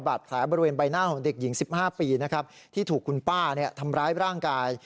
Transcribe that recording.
แผลบริเวณใบหน้าของเด็กหญิง๑๕ปีนะครับที่ถูกคุณป้าทำร้ายร่างกาย